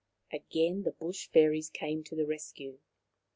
Again the Bush fairies came to the rescue.